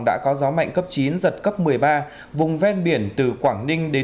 đã có gió mạnh cấp chín giật cấp một mươi ba vùng ven biển từ quảng ninh đến